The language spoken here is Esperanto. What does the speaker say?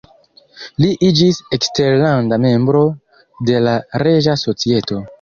Li iĝis eksterlanda membro de la Reĝa Societo.